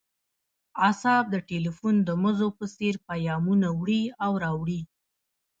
اعصاب د ټیلیفون د مزو په څیر پیامونه وړي او راوړي